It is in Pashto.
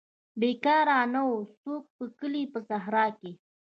بیکار نه وو څوک په کلي په صحرا کې.